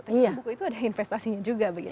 ternyata buku itu ada investasinya juga begitu